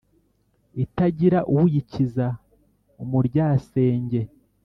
itagira uyikiza umuryasenge